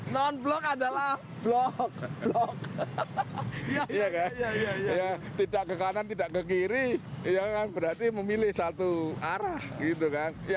non blok adalah blok blok tidak ke kanan tidak ke kiri ya kan berarti memilih satu arah gitu kan